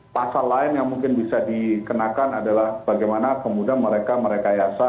pasal lain yang mungkin bisa dikenakan adalah bagaimana kemudian mereka merekayasa